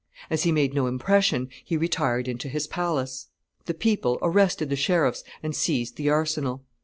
As he made no impression, he retired into his palace. The people arrested the sheriffs and seized the arsenal.